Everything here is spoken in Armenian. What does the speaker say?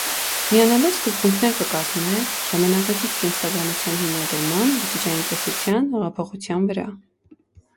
Միանալով սկզբունքներ կը կազմէ ժամանակակից կենսաբանութեան հիմնադրման, բջիջային տեսութեան, եղափոխութեան վրայ։